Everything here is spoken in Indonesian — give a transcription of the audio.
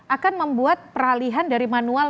akan membuat peralihan dari manual